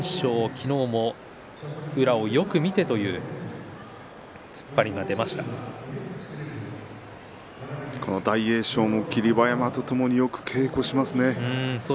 昨日も宇良をよく見て大栄翔も霧馬山とよく稽古しますね。